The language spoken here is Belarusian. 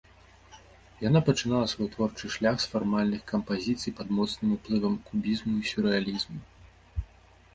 Яна пачынала свой творчы шлях з фармальных кампазіцый пад моцным уплывам кубізму і сюррэалізму.